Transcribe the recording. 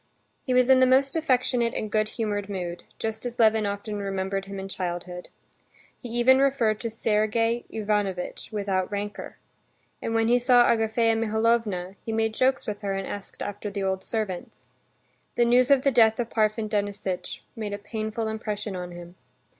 He was in the most affectionate and good humored mood, just as Levin often remembered him in childhood. He even referred to Sergey Ivanovitch without rancor. When he saw Agafea Mihalovna, he made jokes with her and asked after the old servants. The news of the death of Parfen Denisitch made a painful impression on him.